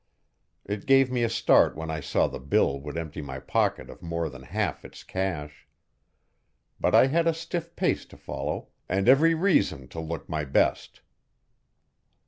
It gave me a start when I saw the bill would empty my pocket of more than half its cash. But I had a stiff pace to follow, and every reason to look my best.